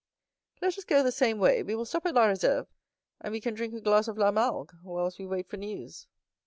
"Let us go the same way; we will stop at La Réserve, and we can drink a glass of La Malgue, whilst we wait for news."